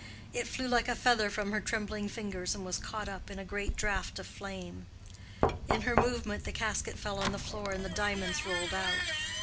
It flew like a feather from her trembling fingers and was caught up in a great draught of flame. In her movement the casket fell on the floor and the diamonds rolled out.